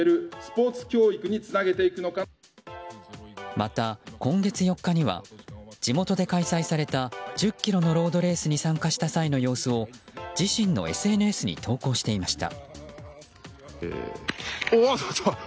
また、今月４日には地元で開催された１０ｋｍのロードレースに参加した際の映像を自身のＳＮＳに投稿していました。